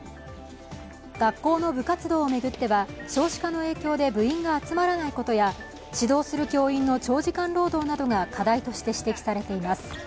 学校の部活動を巡っては、少子化の影響で部員が集まらないことや指導する教員の長時間労働などが課題として指摘されています。